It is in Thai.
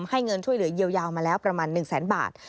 เงินช่วยเหลือเยียวยามาแล้วประมาณ๑แสนบาท